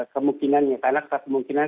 kemungkinannya karena kemungkinan